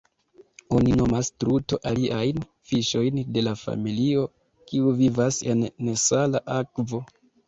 Oni nomas truto aliajn fiŝojn de la familio, kiu vivas en nesala akvo.